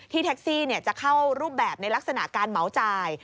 แท็กซี่จะเข้ารูปแบบในลักษณะการเหมาจ่าย